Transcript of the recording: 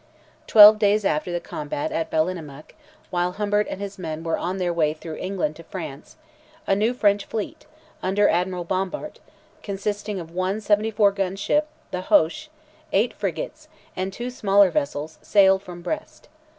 Twelve days after the combat at Ballinamuck, while Humbert and his men were on their way through England to France, a new French fleet, under Admiral Bompart, consisting of one 74 gun ship, "the Hoche," eight frigates, and two smaller vessels, sailed from Brest.